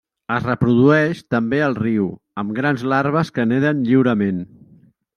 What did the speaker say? Es reprodueix també al riu, amb grans larves que neden lliurement.